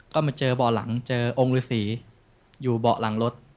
ก็มาเจอเบาะหลังเจอองค์ฤษีอยู่เบาะหลังรถ